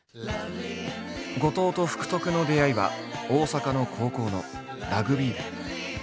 後藤と福徳の出会いは大阪の高校のラグビー部。